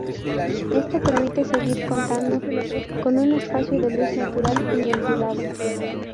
Esto permite seguir contando con un espacio de luz natural y ventilado.